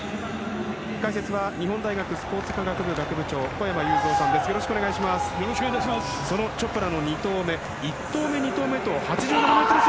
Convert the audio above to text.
解説は日本大学スポーツ科学部学部長小山裕三さんです。